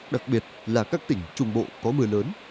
đặc biệt là các tỉnh trung bộ có mưa lớn